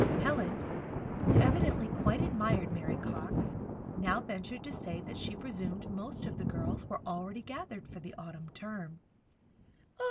Helen, who evidently quite admired Mary Cox, now ventured to say that she presumed most of the girls were already gathered for the Autumn term.